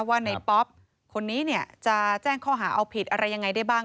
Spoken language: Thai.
ว่าในป๊อปคนนี้เนี่ยจะแจ้งข้อหาเอาผิดอะไรยังไงได้บ้าง